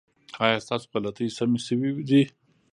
ایا ستاسو غلطۍ سمې شوې دي؟